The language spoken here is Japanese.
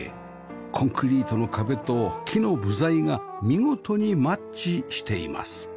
コンクリートの壁と木の部材が見事にマッチしています